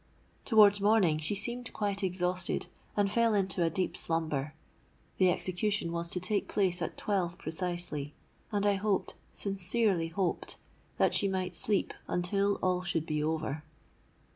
Towards morning she seemed quite exhausted, and fell into a deep slumber. The execution was to take place at twelve precisely; and I hoped, sincerely hoped, that she might sleep until all should be over.